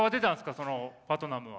そのパトナムは。